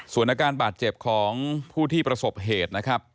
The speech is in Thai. ส่วนอาการบาดเจ็บของผู้ที่ประสบเหตุนะครับ